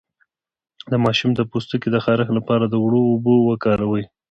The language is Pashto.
د ماشوم د پوستکي د خارښ لپاره د اوړو اوبه وکاروئ